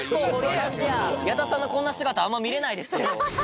矢田さんのこんな姿、あんま見れないですよ。